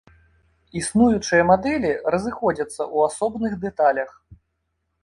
Існуючыя мадэлі разыходзяцца ў асобных дэталях.